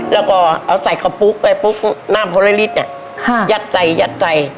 แล้วก็เอาใส่ขาปุ๊กไว้ปุ๊กหน้าพอร์เรลิสน่ะฮะยัดใส่ยัดใส่